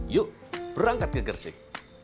yuk berangkat ke gresik